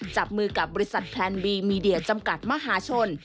จับมือกับบริษัทแพลนบีมีเดียจำกัดมหาชน